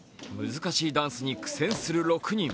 難しいダンスに苦戦する６人。